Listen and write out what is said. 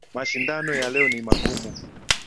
Mashindano ya leo ni magumu.